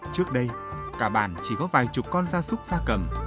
trước đây cả bản chỉ có vài chục con gia súc gia cầm